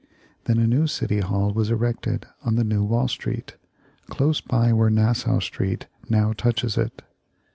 Then a new city hall was erected on the new Wall Street, close by where Nassau Street now touches it.